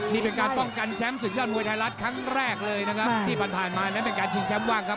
นี่เป็นการป้องกันแชมป์ศึกยอดมวยไทยรัฐครั้งแรกเลยนะครับที่ผ่านมานั้นเป็นการชิงแชมป์ว่างครับ